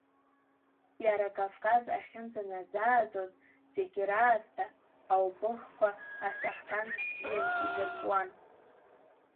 Иара Кавказ ахьынӡанаӡааӡоз зегьы раасҭа, аубыхқәа асахҭан бзиан идырҵәуан.